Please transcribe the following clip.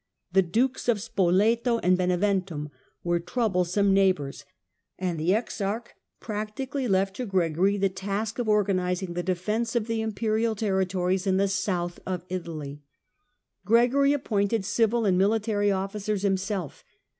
The Dukes of Spoleto and Beneventum were troublesome neighbours, and the exarch practically left to Gregory the task of organising the defence of the Imperial territories in the south of Italy. " Gregory appointed civil and military officers himself.